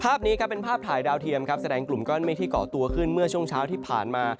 ภาพนี้ครับเป็นภาพถ่ายดาวเทียมครับแสดงกลุ่มก้อนเมฆที่เกาะตัวขึ้นเมื่อช่วงเช้าที่ผ่านมา